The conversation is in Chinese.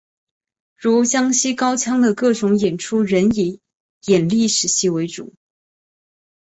如江西高腔的各种演出仍以演历史戏为主。